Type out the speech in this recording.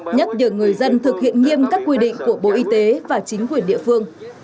nhất được người dân thực hiện nghiêm các quy định của bộ y tế và chính quyền địa phương